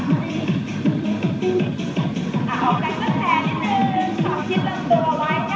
ออกแปลงต้นแผนนิดนึงขอบคิดตังตัวไว้นะคะ